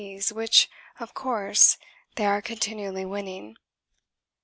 's which, of course, they are continually winning.